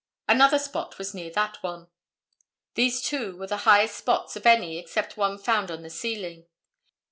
Another spot was near that one. These two were the highest spots of any except one found on the ceiling.